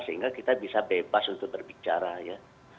sehingga kita bisa bebas untuk berbicara ya